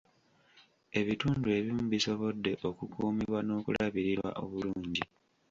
Ebitundu ebimu bisobodde okukuumibwa n'okulabirirwa obulungi.